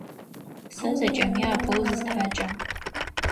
Сэ зэкӏэми апэу зыстхьакӏыгъ.